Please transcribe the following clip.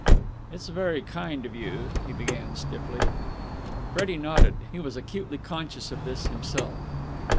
"It's very kind of you," he began stiffly. Freddie nodded. He was acutely conscious of this himself.